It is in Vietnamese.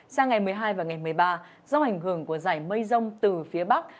sang ngày một mươi hai và ngày một mươi ba do ảnh hưởng của giải mây rông từ phía bắc